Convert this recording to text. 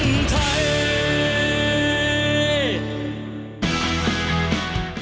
เพื่อคนไทย